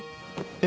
え？